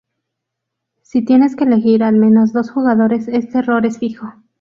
Si tienes que elegir al menos dos jugadores, este "error" es fijo.